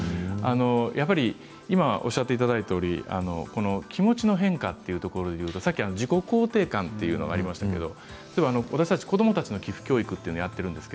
やっぱりおっしゃっていただいたように気持ちの変化というところで言うと自己肯定感という話がありましたが私たち、子どもたちの寄付教育をやっています。